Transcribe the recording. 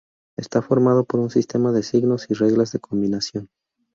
Está formado por un sistema de signos y reglas de combinación.